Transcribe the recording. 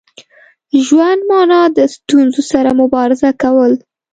ژوند مانا د ستونزو سره مبارزه کول.